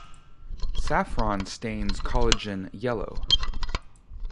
Saffron stains collagen yellow.